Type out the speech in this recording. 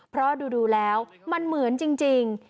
เพราะดูแล้วมันเหมือนจริง